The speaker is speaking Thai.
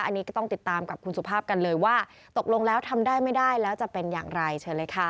อันนี้ก็ต้องติดตามกับคุณสุภาพกันเลยว่าตกลงแล้วทำได้ไม่ได้แล้วจะเป็นอย่างไรเชิญเลยค่ะ